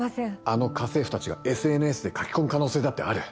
あの家政婦たちがＳＮＳで書き込む可能性だってある。